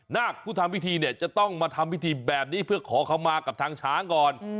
นาคผู้ทำพิธีเนี่ยจะต้องมาทำพิธีแบบนี้เพื่อขอเข้ามากับทางช้างก่อน